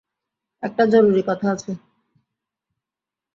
একটা জরুরি কথা আছে!